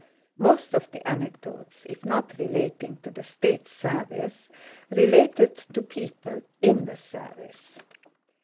Most of the anecdotes, if not relating to the state service, related to people in the service.